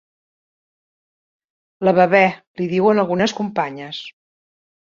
La Bebè, li diuen algunes companyes.